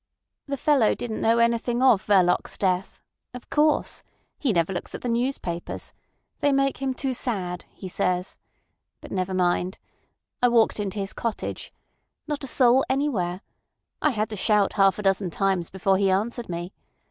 "The fellow didn't know anything of Verloc's death. Of course! He never looks at the newspapers. They make him too sad, he says. But never mind. I walked into his cottage. Not a soul anywhere. I had to shout half a dozen times before he answered me.